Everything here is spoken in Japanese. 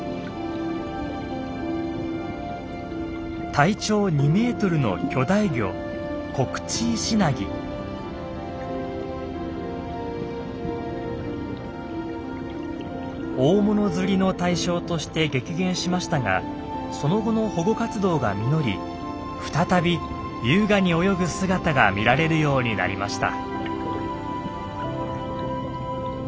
体長２メートルの巨大魚大物釣りの対象として激減しましたがその後の保護活動が実り再び優雅に泳ぐ姿が見られるようになりました。